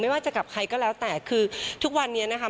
ว่าจะกับใครก็แล้วแต่คือทุกวันนี้นะคะ